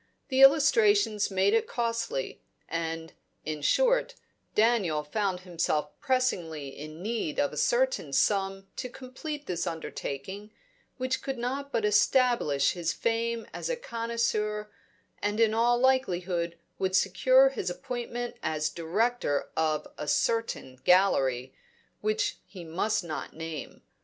The illustrations made it costly, and in short, Daniel found himself pressingly in need of a certain sum to complete this undertaking, which could not but establish his fame as a connoisseur, and in all likelihood would secure his appointment as Director of a certain Gallery which he must not name.